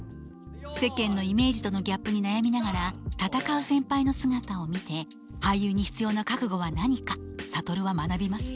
世間のイメージとのギャップに悩みながら闘う先輩の姿を見て俳優に必要な覚悟は何か諭は学びます。